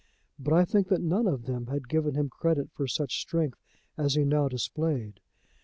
But I think that none of them had given him credit for such strength as he now displayed.